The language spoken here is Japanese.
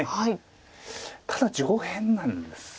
ただ上辺なんですよね。